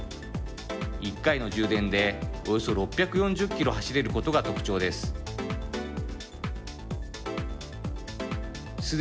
１回の充電でおよそ６４０キロ走れることが特徴です。